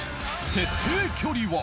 設定距離は